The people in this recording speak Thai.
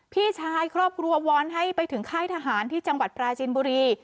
พี่ชายครอบครัววอนให้ไปถึงค่ายทหารที่จังหวัดปราจินบุรี